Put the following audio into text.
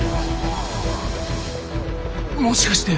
もしかして。